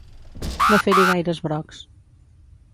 No fer-hi gaires brocs.